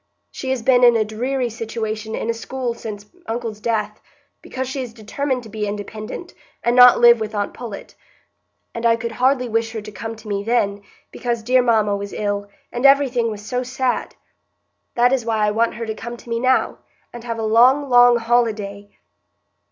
She has been in a dreary situation in a school since uncle's death, because she is determined to be independent, and not live with aunt Pullet; and I could hardly wish her to come to me then, because dear mamma was ill, and everything was so sad. That is why I want her to come to me now, and have a long, long holiday."